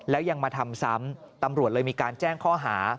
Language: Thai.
แล้วยังมาทำซ้ำตำรวจเลยมีการแจ้งข้อหา